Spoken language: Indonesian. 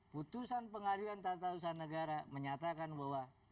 putusan pengadilan tata usaha negara menyatakan bahwa